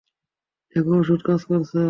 দেখ, ওষুধ কাজ করছে।